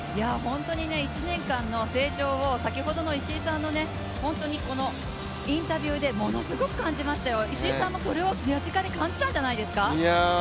１年間の成長を、先ほどの石井さんのインタビューでものすごく感じましたよ、石井さんもそれを間近で感じたんじゃないですか。